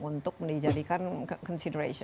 untuk dijadikan perhatian